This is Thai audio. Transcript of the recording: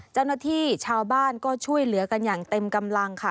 เจ้าหน้าที่ชาวบ้านก็ช่วยเหลือกันอย่างเต็มกำลังค่ะ